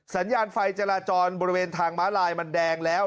สัญญาณไฟจราจรบริเวณทางม้าลายมันแดงแล้ว